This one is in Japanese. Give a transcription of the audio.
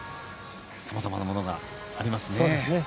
さまざまなものがありますね。